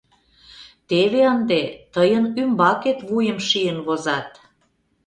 Теве ынде тыйын ӱмбакет вуйым шийын возат...